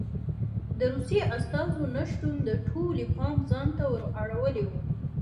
د روسیې استازو نه شتون د ټولو پام ځان ته ور اړولی و.